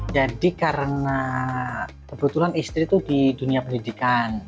jadi karena kebetulan istri itu di dunia pendidikan